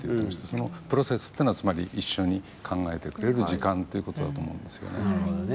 そのプロセスっていうのはつまり、一緒に考えてくれる時間っていうことだと思うんですよね。